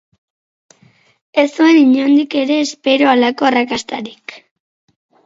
Ez zuen inondik ere espero halako arrakastarik.